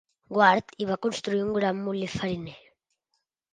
Ward hi va construir un gran molí fariner.